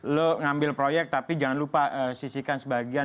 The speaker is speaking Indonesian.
lo ngambil proyek tapi jangan lupa sisikan sebagian